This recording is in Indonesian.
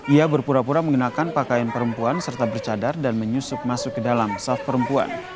ia berpura pura mengenakan pakaian perempuan serta bercadar dan menyusup masuk ke dalam saf perempuan